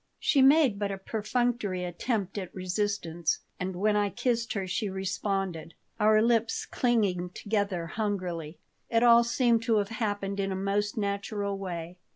She made but a perfunctory attempt at resistance, and when I kissed her she responded, our lips clinging together hungrily. It all seemed to have happened in a most natural way.